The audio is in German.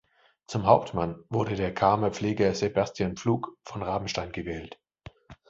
Zum Hauptmann wurde der Chamer Pfleger Sebastian Pflugk von Rabenstein gewählt.